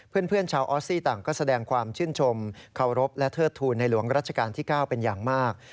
เพื่อนชาวออสซี่ต่างก็แสดงความชื่นชมเคารพและเทิดทูลในหลวงรัชกาลที่๙เป็นอย่างมาก